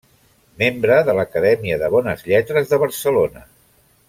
Membre de l'Acadèmia de Bones Lletres de Barcelona.